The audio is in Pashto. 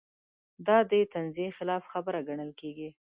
دا د تنزیې خلاف خبره ګڼل کېږي.